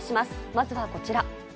まずはこちら。